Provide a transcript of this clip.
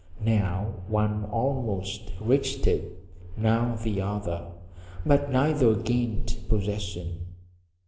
Now one almost reached it, now the other, but neither gained possession.